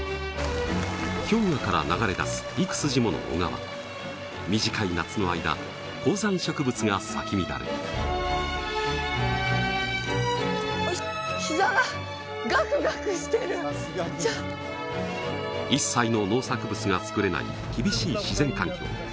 氷河から流れ出すいく筋もの小川短い夏の間高山植物が咲き乱れるヒザがガクガクしてる一切の農作物が作れない厳しい自然環境